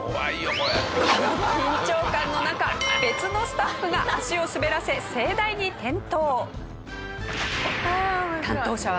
この緊張感の中別のスタッフが足を滑らせ盛大に転倒。